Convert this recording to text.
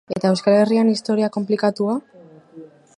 Eta Euskal Herriaren historia konplikatua?